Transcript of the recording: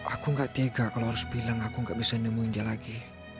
aku gak tega kalau harus bilang aku gak bisa nemuin dia lagi